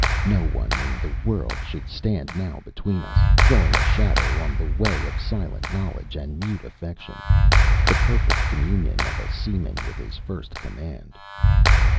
no one in the world should stand now between us, throwing a shadow on the way of silent knowledge and mute affection, the perfect communion of a seaman with his first command.